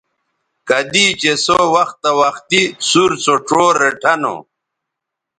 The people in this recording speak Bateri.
کدی چہء سو وختہ وختی سُور سو ڇو ریٹھہ نو